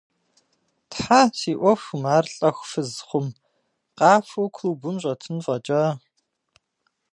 Тхьэ, си ӏуэхум ар лӏэху фыз хъум, къафэу клубым щӏэтын фӏэкӏа…